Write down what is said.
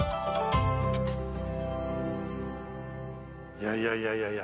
いやいやいやいやいや。